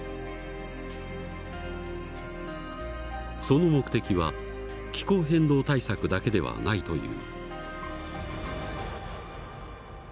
その目的は気候変動対策だけではないという。